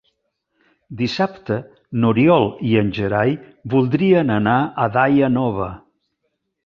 Dissabte n'Oriol i en Gerai voldrien anar a Daia Nova.